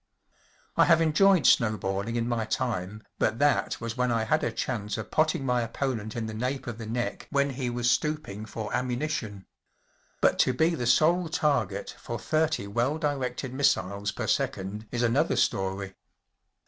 I have enjoyed snowballing in my time, but that was when I had a chance of potting my opponent in the nape of the neck when he was stooping for ammunition. But to be the sole target for thirty well directed missiles per second is another story.